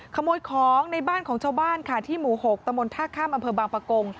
ขโมยของในบ้านของชาวบ้านค่ะที่หมู่๖ตมท่าข้ามอำเภอบางปะกง